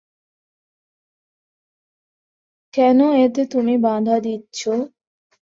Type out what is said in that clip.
কেন এতে তুমি বাধা দিচ্ছ?